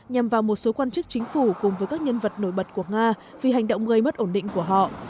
nhằm vào một số quan chức chính phủ cùng với các nhân vật nổi bật của nga vì hành động gây mất ổn định của họ